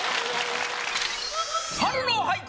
春の俳句